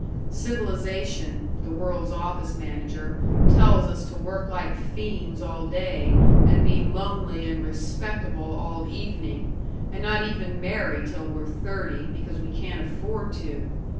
Civilization, the world's office manager, tells us to work like fiends all day and be lonely and respectable all evening, and not even marry till we're thirty, because we can't afford to!